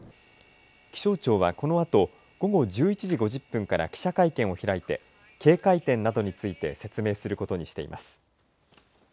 気象庁はこのあと午後１１時５０分から記者会見を開いて警戒点などについて説明することにしています。